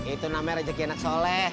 itu namanya rejeki anak soleh